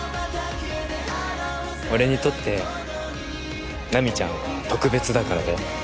俺にとって奈未ちゃんは特別だからだよ